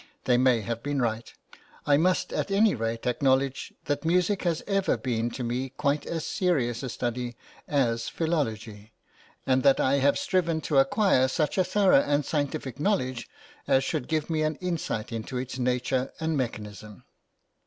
They may have been right; I must at any rate acknowledge that music has ever been to me quite as serious a study as philology, and that I have striven to acquire such a thorough and scientific knowledge as should give me an insight into its nature and mechanism.